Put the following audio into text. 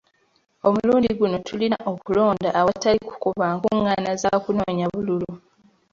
Omulundi guno tulina okulonda awatali kukuba nkungaana za kunoonya bululu.